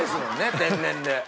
天然で。